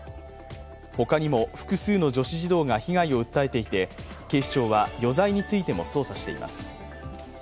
他にも複数の女子児童が被害を訴えていて、警視庁は余罪についても捜査しています。